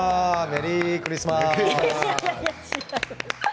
メリークリスマス！